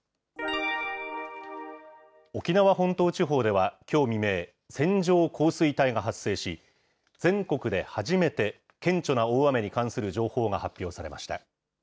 沖縄本島地方ではきょう未明、線状降水帯が発生し、全国で初めて、顕著な大雨に関する情報が発表されました。